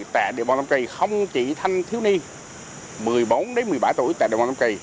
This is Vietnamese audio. tại địa bàn tâm kỳ không chỉ thanh thiếu niên một mươi bốn một mươi bảy tuổi tại địa bàn tâm kỳ